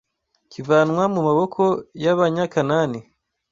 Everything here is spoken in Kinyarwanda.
kivanwa mu maboko y’Abanyakanani